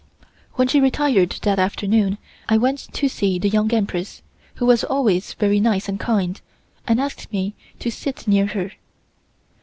When she retired that afternoon I went to see the Young Empress, who was always very nice and kind, and asked me to sit near her.